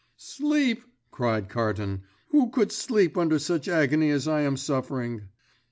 "Sleep!" cried Carton. "Who could sleep under such agony as I am suffering?"